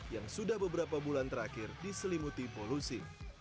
yang sudah beberapa bulan terakhir diselimuti polusi